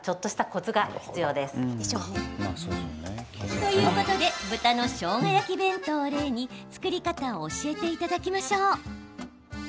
ということで豚のしょうが焼き弁当を例に作り方を教えていただきましょう。